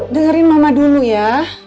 dengerin mama dulu ya